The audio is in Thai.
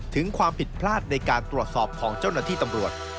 ถึงความผิดพลาดในการตรวจสอบของเจ้าหน้าที่ตำรวจ